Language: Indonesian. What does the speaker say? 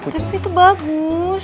tapi itu bagus